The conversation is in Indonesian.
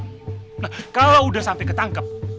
nah kalau udah sampai ketangkep